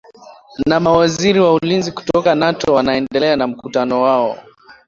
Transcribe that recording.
na mawaziri wa ulinzi kutoka nato wanaendelea na mkutano wao